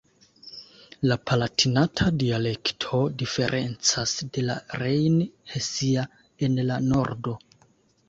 La Palatinata dialekto diferencas de la Rejn-Hesia en la Nordo.